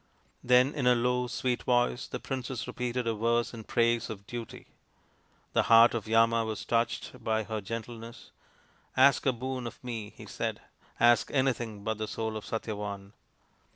Then in a low sweet voice the princess repeated a verse in praise of Duty. The heart of Yama was touched by her gentleness. " Ask a boon of me/ 5 he said ;" ask anything but the soul of Satyavan."